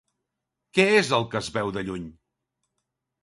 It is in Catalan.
Què és el que es veu de lluny?